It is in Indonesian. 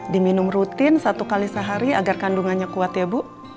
diminum rutin satu kali sehari agar kandungannya kuat ya bu